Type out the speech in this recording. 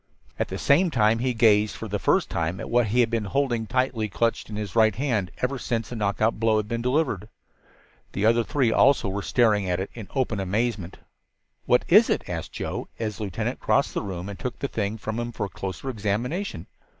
At the same time he gazed for the first time at what he had been holding tightly clutched in his right hand ever since the knockout blow had been delivered. The other three also were staring at it in open amazement. "What is it?" asked Joe, as the lieutenant crossed the room and took the thing from him for a closer examination.